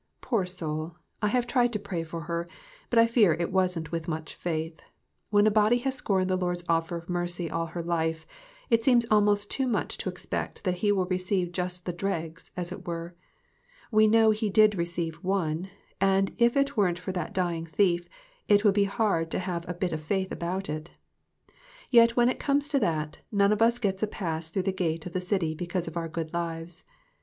Poor soul, I have tried to pray for her, but I fear it wasn't with much faith. When a body has scorned the Lord's offer of mercy all her life, it seems almost too much to expect that he will receive just the dregs, as it were. We know he did receive one; and if it weren't for that dying thief, it would be hard to have a bit of faith about it. Yet when it comes to that, none of us gets a pass through the gate of the city because of our good lives.